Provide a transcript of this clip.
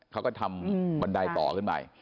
เขาก็ทำบันไดต่อขึ้นไป